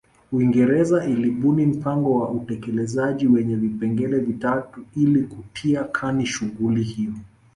Uingereza ilibuni mpango wa utekelezaji wenye vipengele vitatu ili kutia kani shughuli hiyo